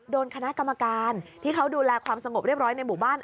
โดนคณะกรรมการที่เขาดูแลความสงบเรียบร้อยในหมู่บ้าน